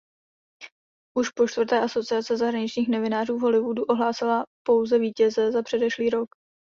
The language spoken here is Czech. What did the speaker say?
Už počtvrté Asociace zahraničních novinářů v Hollywoodu ohlásila pouze vítěze za předešlý rok.